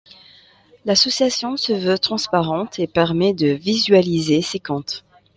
L'association se veut transparente et permet de visualiser ses comptes.